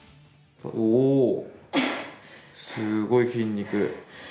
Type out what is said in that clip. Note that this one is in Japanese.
うおすごい筋肉。